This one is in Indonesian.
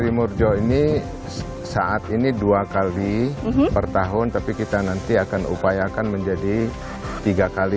timur jo ini saat ini dua kali per tahun tapi kita nanti akan upayakan menjadi tiga kali